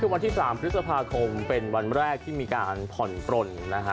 คือวันที่๓พฤษภาคมเป็นวันแรกที่มีการผ่อนปลนนะฮะ